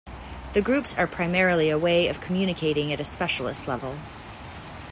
The groups are primarily a way of communicating at a specialist level.